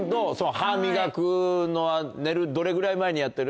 歯磨くのは寝るどれぐらい前にやってる？